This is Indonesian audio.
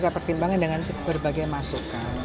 kita pertimbangkan dengan berbagai masukan